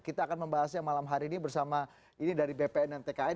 kita akan membahasnya malam hari ini bersama ini dari bpn dan tkn